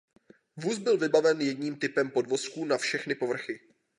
Vůz byl vybaven jedním typem podvozku na všechny povrchy.